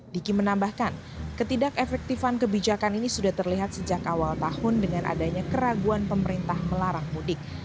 diki menambahkan ketidak efektifan kebijakan ini sudah terlihat sejak awal tahun dengan adanya keraguan pemerintah melarang mudik